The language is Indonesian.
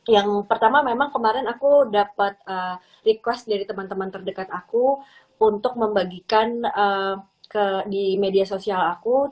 yang pertama memang kemarin aku dapat request dari teman teman terdekat aku untuk membagikan di media sosial aku